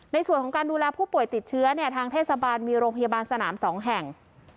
ในส่วนของการดูแลผู้ป่วยติดเชื้อเนี่ยทางเทศบาลมีโรงพยาบาลสนาม๒แห่ง